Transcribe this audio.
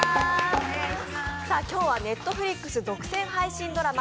今日はＮｅｔｆｌｉｘ独占配信ドラマ